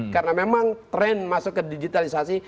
karena memang tren masuk ke digitalisasi